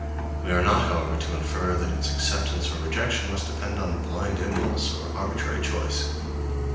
We are not, however, to infer that its acceptance or rejection must depend on blind impulse, or arbitrary choice.